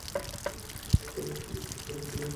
তোফাজ্জল হোসেন সরকার মুক্তিযুদ্ধের সংগঠক ছিলেন।